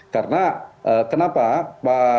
karena kenapa pak